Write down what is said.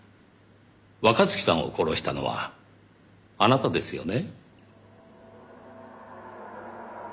若月さんを殺したのはあなたですよね？